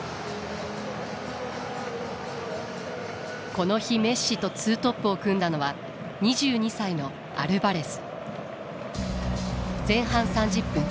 この日メッシとツートップを組んだのは２２歳のアルバレス。前半３０分